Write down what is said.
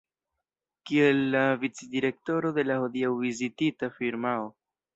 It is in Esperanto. Kiel la vicdirektoro de la hodiaŭ vizitita firmao.